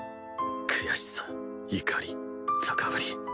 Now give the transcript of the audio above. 悔しさ怒り高ぶり。